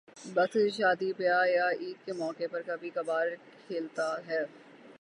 بس کسی شادی بیاہ یا عید کے موقع پر کبھی کبھارکھلتا ہے ۔